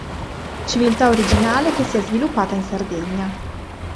Civiltà originale che si è sviluppata in Sardegna.